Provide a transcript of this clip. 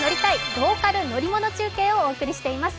ローカル乗り物」中継をお送りしています。